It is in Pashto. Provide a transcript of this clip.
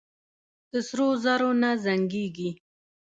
د سرو زرو نه زنګېږي.